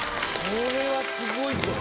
これはすごいぞ。